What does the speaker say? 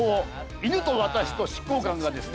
犬と私と執行官』がですね